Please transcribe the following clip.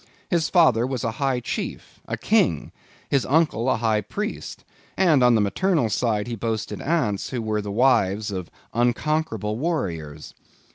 His father was a High Chief, a King; his uncle a High Priest; and on the maternal side he boasted aunts who were the wives of unconquerable warriors.